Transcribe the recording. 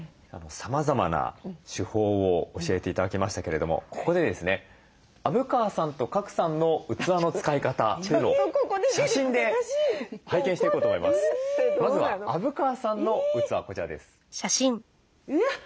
さまざまな手法を教えて頂きましたけれどもここでですね虻川さんと賀来さんの器の使い方というのを写真で拝見していこうと思います。